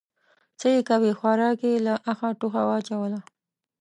_څه يې کوې، خوارکی يې له اخه ټوخه واچوله.